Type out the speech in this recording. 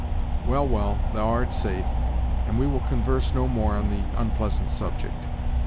"Well, well, thou art safe, and we will converse no more on the unpleasant subject.